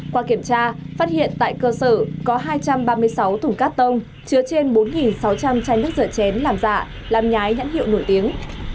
qua kiểm tra phát hiện tại cơ sở có hai trăm ba mươi sáu thùng cắt tông chứa trên bốn sáu trăm linh chai nước rửa chén làm giả làm nhái nhãn hiệu nổi tiếng